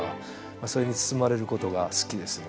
それに包まれることが好きですね。